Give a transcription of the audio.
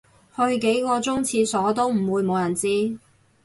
去幾個鐘廁所都唔會無人知